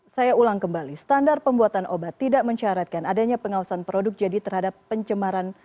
saya ulang kembali standar pembuatan obat tidak mencaratkan adanya pengawasan produk jadi terhadap pencemaran